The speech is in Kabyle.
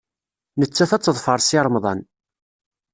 Nettat ad teḍfer Si Remḍan.